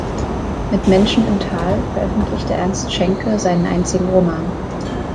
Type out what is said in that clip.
Mit "Menschen im Tal" veröffentlichte Ernst Schenke seinen einzigen Roman.